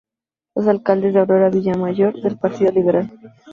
La alcaldesa es Aurora Villamayor del Partido Liberal.